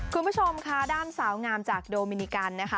คุณผู้ชมค่ะด้านสาวงามจากโดมินิกันนะคะ